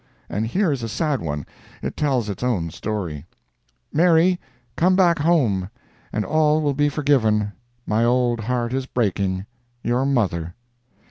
And here is a sad one; it tells its own story: "MARY—COME BACK HOME, AND ALL WILL BE FORGIVEN. My old heart is breaking. "YOUR MOTHER."